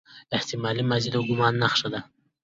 احتمالي ماضي د ګومان نخښه ده.